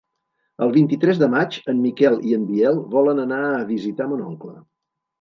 El vint-i-tres de maig en Miquel i en Biel volen anar a visitar mon oncle.